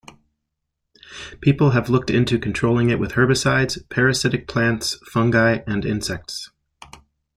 People have looked into controlling it with herbicides, parasitic plants, fungi and insects.